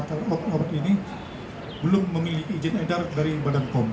setelah dilakukan penelaan dari database kita obat ini belum memiliki izin edar dari badan kom